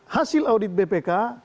hasil audit bpk